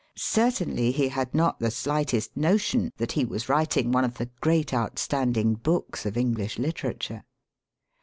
Certainly he had not the slightest notion that he was writing one of the great outstanding books of English literature.